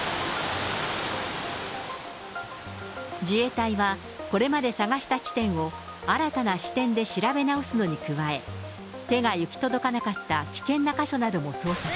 自衛隊はこれまで捜した地点を、新たな視点で調べ直すのに加え、手が行き届かなかった危険な箇所なども捜索。